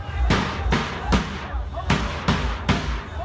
มันอาจจะไม่เอาเห็น